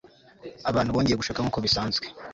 abantu bongeye gushaka nkuko bisanzwe